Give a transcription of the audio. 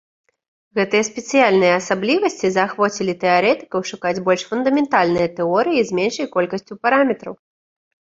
Гэтыя спецыяльныя асаблівасці заахвоцілі тэарэтыкаў шукаць больш фундаментальныя тэорыі з меншай колькасцю параметраў.